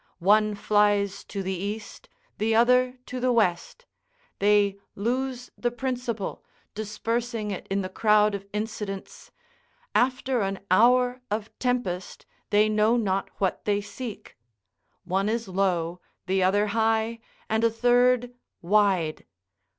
One flies to the east, the other to the west; they lose the principal, dispersing it in the crowd of incidents after an hour of tempest, they know not what they seek: one is low, the other high, and a third wide.